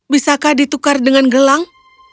bisakah ditukar dengan gelang